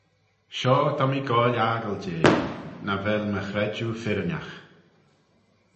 Shoh ta mee goaill aggle jeh, nagh vel my chredjue firrinagh.